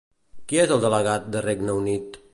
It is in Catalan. Qui és el delegat de Regne Unit?